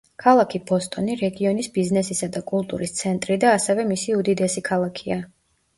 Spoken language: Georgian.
ქალაქი ბოსტონი რეგიონის ბიზნესისა და კულტურის ცენტრი და ასევე მისი უდიდესი ქალაქია.